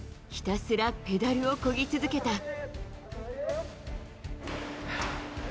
ひたすらペダルをこぎ続けた。